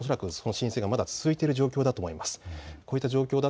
恐らくその浸水がまだ続いている状況だと思います。